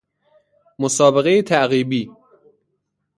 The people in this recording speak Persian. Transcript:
مسابقه تعقیبی